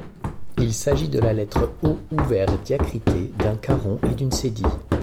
Il s’agit de la lettre O ouvert diacritée d’un caron et d’une cédille.